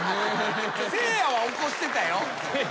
せいやは起こしてたよ。